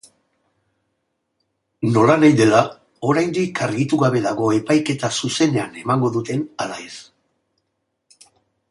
Nolanahi dela, oraindik argitu gabe dago epaiketa zuzenean emango duten ala ez.